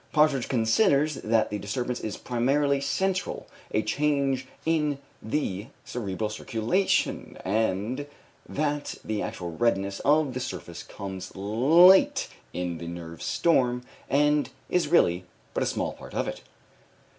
Partridge considers that the disturbance is primarily central, a change in the cerebral circulation, and that the actual redness of the surface comes late in the nerve storm, and is really but a small part of it.